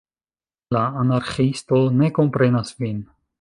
La Anarĥiisto ne komprenas vin.